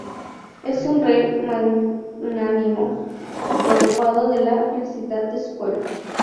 Es un rey magnánimo, preocupado de la felicidad de su pueblo.